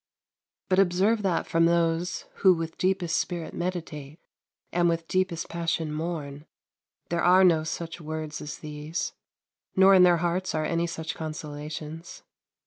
But observe that from those who with deepest spirit meditate, and with deepest passion mourn, there are no such words as these; nor in their hearts are any such consolations.